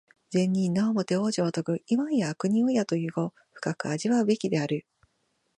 善人なおもて往生をとぐ、いわんや悪人をやという語、深く味わうべきである。